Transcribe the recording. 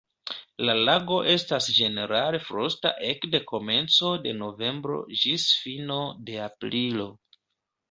La lago estas ĝenerale frosta ekde komenco de novembro ĝis fino de aprilo.